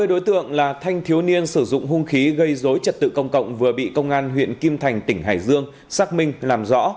hai mươi đối tượng là thanh thiếu niên sử dụng hung khí gây dối trật tự công cộng vừa bị công an huyện kim thành tỉnh hải dương xác minh làm rõ